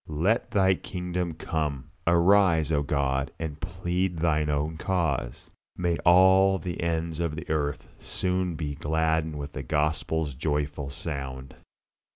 Let Thy kingdom come! Arise, O God, and plead Thine own cause. May all the ends of the earth soon be gladdened with the Gospel's joyful sound!